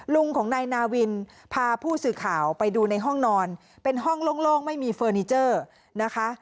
ลุงของนายนาวินพาผู้สื่อข่าวไปดูในห้องนอนเป็นห้องโล่งไม่มีเฟอร์นิเจอร์นะคะ